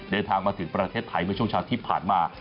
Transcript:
เดินทางมาถึงประเทศไทยในช่วงชาติที่ผ่านมา